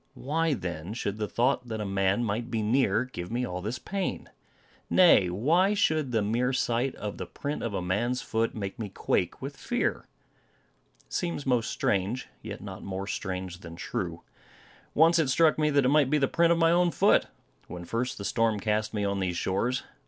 Why, then, should the thought that a man might be near give me all this pain? Nay, why should the mere sight of the print of a man's foot, make me quake with fear? It seems most strange; yet not more strange than true. Once it struck me that it might be the print of my own foot, when first the storm cast me on these shores.